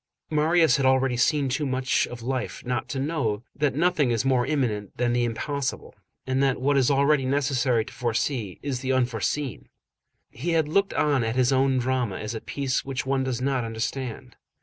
Marius had already seen too much of life not to know that nothing is more imminent than the impossible, and that what it is always necessary to foresee is the unforeseen. He had looked on at his own drama as a piece which one does not understand.